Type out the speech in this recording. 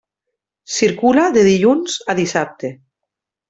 Circula de dilluns a dissabte.